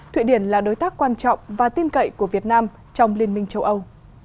thụy điển là đối tác quan trọng và tin cậy của việt nam trong liên minh châu âu